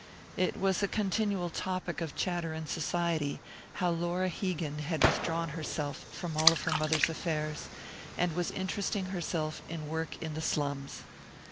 It was a continual topic of chatter in Society, how Laura Hegan had withdrawn herself from all of her mother's affairs, and was interesting herself in work in the slums.